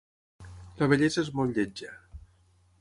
La vellesa és molt lletja.